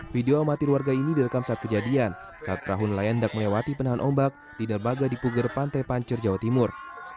video amatir warga ini direkam saat kejadian saat perahu nelayan hendak melewati penahan ombak di derbaga di puger pantai pancir jawa timur